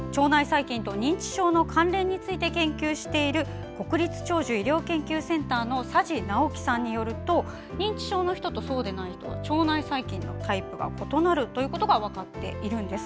腸内細菌と認知症の関連について研究している国立長寿医療研究センターの佐治直樹さんによると認知症の人と、そうでない人では腸内細菌のタイプが異なることが分かっています。